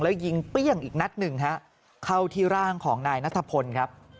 แล้วยิงเปรี้ยงอีกนัดหนึ่งฮะเข้าที่ร่างของนายนัทพลครับ